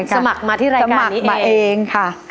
สมัครมาที่รายการนี้เองสมัครมาเองค่ะ